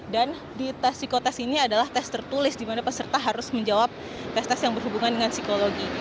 dan di tes psikotest ini adalah tes tertulis dimana peserta harus menjawab tes tes yang berhubungan dengan psikologi